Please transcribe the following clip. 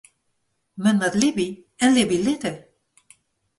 Men moat libje en libje litte.